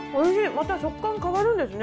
また食感変わるんですね。